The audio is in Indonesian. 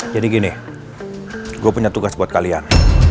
jadi gini gue punya tugas buat kalian